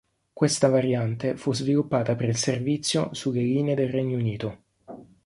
Questa variante fu sviluppata per il servizio sulle linee del Regno Unito.